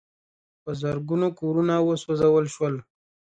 په زرګونو کورونه وسوځول شول.